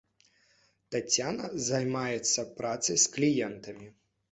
Таццяна займаецца працай з кліентамі.